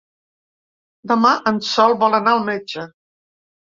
Demà en Sol vol anar al metge.